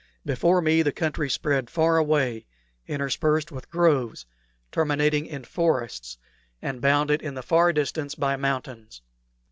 Before me the country spread far away, interspersed with groves, terminating in forests, and bounded in the far distance by mountains.